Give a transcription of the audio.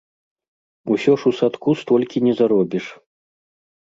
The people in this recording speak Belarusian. Усё ж у садку столькі не заробіш.